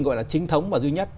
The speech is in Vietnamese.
gọi là chính thống và duy nhất